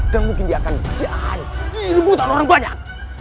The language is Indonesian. dan mungkin dia akan jahat diimu tanpa orang banyak